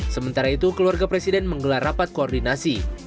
sementara itu keluarga presiden menggelar rapat koordinasi